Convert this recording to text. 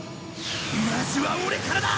まずはオレからだ！